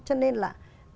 cho nên là